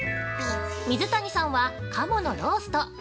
水谷さんは鴨のロースト。